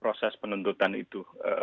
proses penuntutan itu